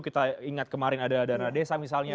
kita ingat kemarin ada dana desa misalnya